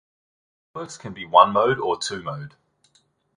Networks can be one–mode or two–mode.